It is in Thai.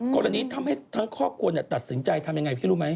กรณีทำให้ทั้งครอบครัวตัดสินใจทำยังไงพี่รู้ไหม